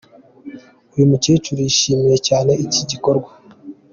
Uyu mukecuru yishimiye cyane iki gikorwa.